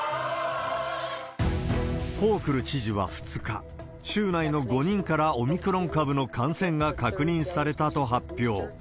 ホークル知事は２日、州内の５人からオミクロン株の感染が確認されたと発表。